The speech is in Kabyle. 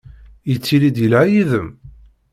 Yettili-d yelha yid-m?